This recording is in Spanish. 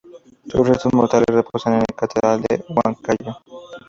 Sus restos mortales reposan en la catedral de Huancayo.